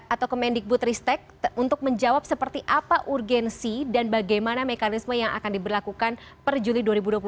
atau kemendikbud ristek untuk menjawab seperti apa urgensi dan bagaimana mekanisme yang akan diberlakukan per juli dua ribu dua puluh satu